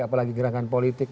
apalagi gerakan politik